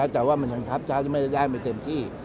แต่ว่ามันยังทรัพย์ชาติไม่ได้ไปเต็มที่